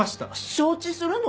承知するの？